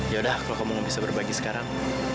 yaudah kalau kamu gak bisa berbagi sekarang